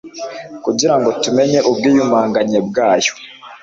kugira ngo tumenye ubwiyumanganye bwayo